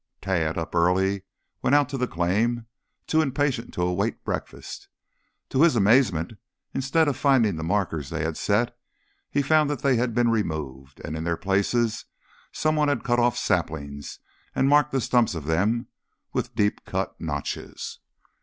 Tad, up early, went out to the claim, too impatient to await breakfast. To his amazement instead of finding the markers they had set, he found that they had been removed, and in their places some one had cut off saplings and marked the stumps of them with deep cut notches.